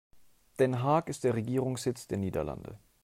Den Haag ist der Regierungssitz der Niederlande.